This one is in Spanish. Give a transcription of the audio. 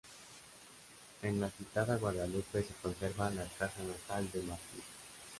En la citada Guadalupe se conserva la casa natal del mártir.